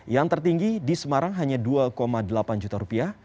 yang tertinggi di semarang hanya dua delapan juta rupiah